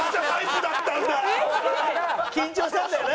緊張したんだよね。